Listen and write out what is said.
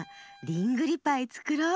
リングリパイつくろう。